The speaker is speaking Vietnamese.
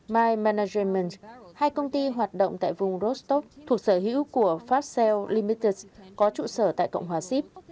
my management hai công ty hoạt động tại vùng rostov thuộc sở hữu của fasel limited có trụ sở tại cộng hòa sip